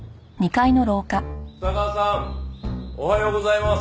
二川さんおはようございます。